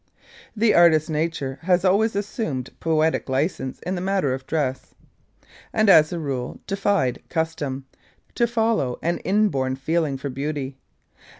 The artist nature has always assumed poetic license in the matter of dress, and as a rule defied custom, to follow an inborn feeling for beauty.